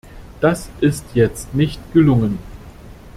Das ist jetzt nicht gelungen.